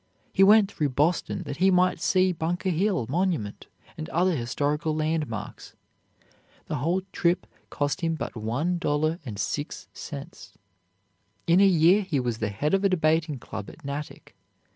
He went through Boston that he might see Bunker Hill monument and other historical landmarks. The whole trip cost him but one dollar and six cents. In a year he was the head of a debating club at Natick.